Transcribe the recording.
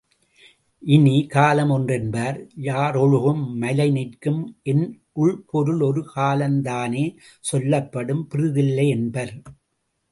இனி, காலம் ஒன்றென்பார், யாறொழுகும் மலை நிற்கும் என உள்பொருள் ஒரு காலத்தானே சொல்லப்படும் பிறிதில்லையென்ப.